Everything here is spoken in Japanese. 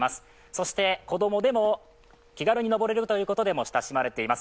そして、子供でも気軽に登れるということで親しまれています。